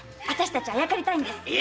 私たちあやかりたいんです。